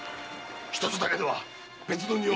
一つだけでは別の荷を。